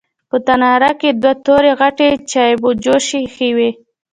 په تناره کې دوه تورې غټې چايجوشې ايښې وې.